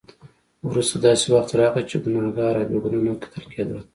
وروسته داسې وخت راغی چې ګناهګار او بې ګناه نه کتل کېدل.